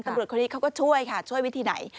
ตำรวจคนนี้เขาก็ช่วยค่ะช่วยวิธีไหน